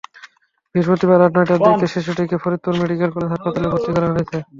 বৃহস্পতিবার রাত নয়টার দিকে শিশুটিকে ফরিদপুর মেডিকেল কলেজ হাসপাতালে ভর্তি করা হয়েছে।